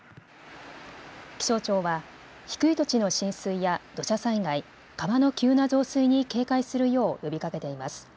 気象庁は低い土地の浸水や土砂災害、川の急な増水に警戒するよう呼びかけています。